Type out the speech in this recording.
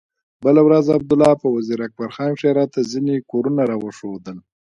بله ورځ عبدالله په وزير اکبر خان کښې راته ځينې کورونه راوښوول.